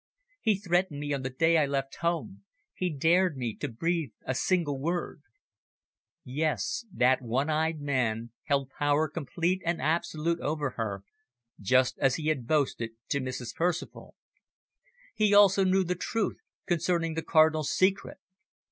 He threatened me on the day I left home he dared me to breathe a single word." Yes, that one eyed man held power complete and absolute over her, just as he had boasted to Mrs. Percival. He also knew the truth concerning the Cardinal's secret.